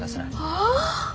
はあ？